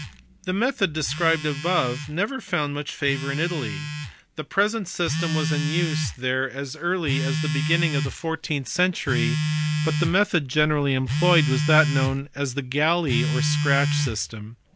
The method described above never found much favour in Italy. The present system was in use there as early as the 198 THE DEVELOPMENT OF ARITHMETIC. 1300 1637. beginning of the fourteenth century, but the method generally employed was that known as the galley or scratch system.